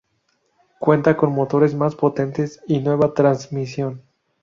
Cuenta con motores más potentes y nueva transmisión.